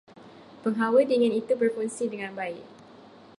Penghawa dingin itu berfungsi dengan baik.